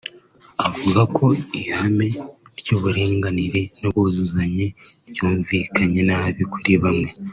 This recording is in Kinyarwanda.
avuga ko ihame ry’uburinganire n’ubwuzuzanye ryumvikanye nabi kuri bamwe